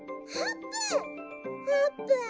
あーぷん！